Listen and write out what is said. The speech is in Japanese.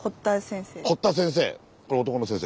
堀田先生。